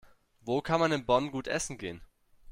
Wo kann man in Bonn gut essen gehen?